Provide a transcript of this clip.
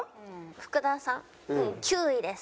福田さん９位です。